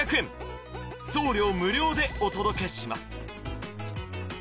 送料無料でお届けします